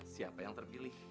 siapa yang terpilih